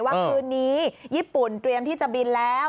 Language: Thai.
คืนนี้ญี่ปุ่นเตรียมที่จะบินแล้ว